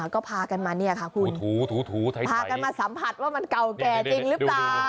ก็พากันมาเนี่ยค่ะคุณพากันมาสัมผัสว่ามันเก่าแก่จริงหรือเปล่า